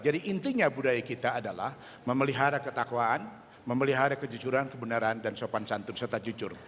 jadi intinya budaya kita adalah memelihara ketakwaan memelihara kejujuran kebenaran dan sopan santun serta jujur